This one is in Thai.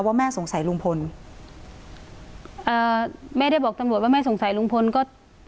ว่าแม่สงสัยลุงพลเอ่อแม่ได้บอกตำรวจว่าแม่สงสัยลุงพลก็